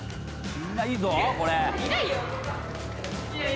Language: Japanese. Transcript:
みんないいぞこれ。